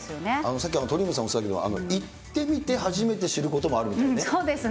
さっき、鳥海さんおっしゃっていたけれども、行ってみて、初めて知ることもあるってね。